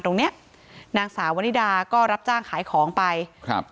ทั้งครูก็มีค่าแรงรวมกันเดือนละประมาณ๗๐๐๐กว่าบาท